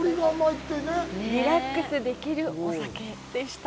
リラックスできるお酒でした。